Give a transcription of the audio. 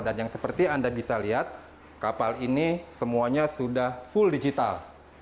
dan yang seperti anda bisa lihat kapal ini semuanya sudah full digital